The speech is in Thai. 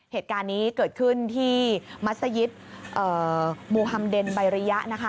เหตุการณ์นี้เกิดขึ้นที่มัศยิตมูธรรมเดนบายริยะ